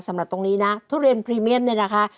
สำหรับตรงนี้นะทุเรียนพรีเมียมเนี่ยนะคะ